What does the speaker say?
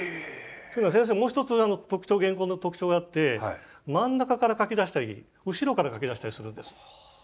というのは先生もう一つ特徴原稿の特徴があって真ん中から書き出したり後ろから書き出したりするんです。